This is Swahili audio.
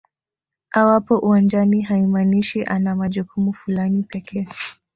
Awapo uwanjani haimaanishi ana majukumu fulani pekee